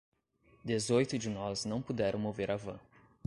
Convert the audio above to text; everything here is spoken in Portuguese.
Dezoito de nós não puderam mover a van.